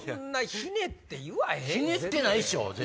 ひねってないっしょ。